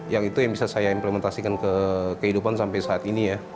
yang itu yang bisa saya implementasikan ke kehidupan sampai saat ini ya